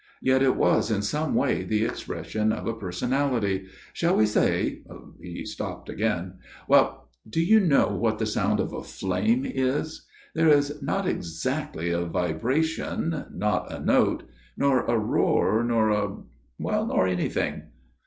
Yet it was in some way the expression of a personality. Shall we say ' he stopped again, " Well ; do you know what the sound of a flame is ? There is not exactly a vibration not a note nor a roar nor a nor anything.